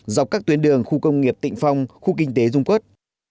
dọc các tuyến đường khu công nghiệp tịnh phong khu kinh tế dung quốc